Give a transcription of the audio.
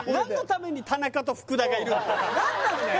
ねえなんなんだよ